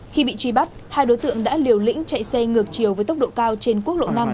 khi bị truy bắt hai đối tượng đã liều lĩnh chạy xe ngược chiều với tốc độ cao trên quốc lộ năm